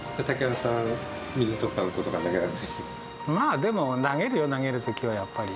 まあでも投げるよ投げるときはやっぱり。